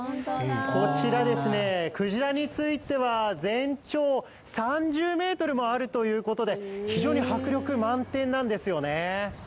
こちら、クジラについては全長３０ｍもあるということで、非常に迫力満点なんですよね。